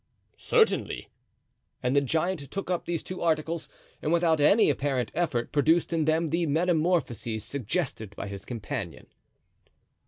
"Certainly." And the giant took up these two articles, and without any apparent effort produced in them the metamorphoses suggested by his companion.